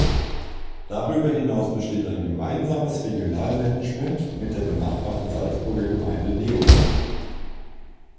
Darüber hinaus besteht ein gemeinsames Regionalmanagement mit der benachbarten Salzburger Gemeinde Leogang.